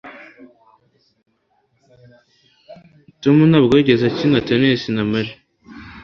Tom ntabwo yigeze akina tennis na Mary